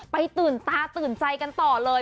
ตื่นตาตื่นใจกันต่อเลย